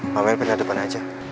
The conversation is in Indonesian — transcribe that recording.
mbak mel berna depan aja